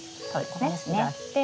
ここですね。